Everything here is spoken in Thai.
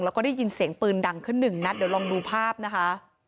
แล้วก็ได้ยินเสียงปืนดังขึ้นหนึ่งนัดเดี๋ยวลองดูภาพนะคะ